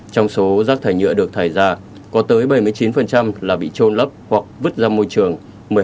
trong số rác thải nhựa được thải ra có tới bảy mươi chín là bị trôn lấp hoặc vứt ra môi trường